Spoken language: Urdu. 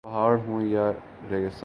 پہاڑ ہوں یا ریگستان